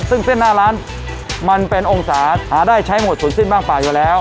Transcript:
ซึ่งเส้นหน้าร้านมันเป็นองศาหาได้ใช้หมดศูนย์สิ้นบ้างป่าอยู่แล้ว